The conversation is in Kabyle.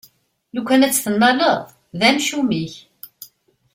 Lukan ad tt-tennaleḍ, d amcum-ik!